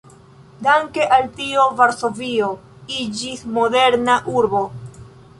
Danke al tio Varsovio iĝis moderna urbo.